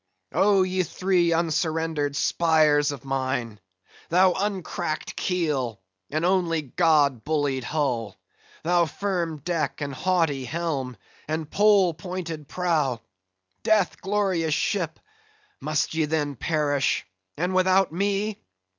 Oh! ye three unsurrendered spires of mine; thou uncracked keel; and only god bullied hull; thou firm deck, and haughty helm, and Pole pointed prow,—death glorious ship! must ye then perish, and without me?